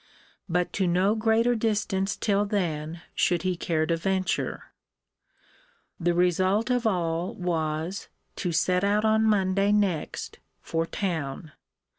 But to no greater distance till then should he care to venture. The result of all was, to set out on Monday next for town.